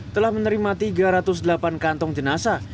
telah menerima tiga ratus delapan kantong jenazah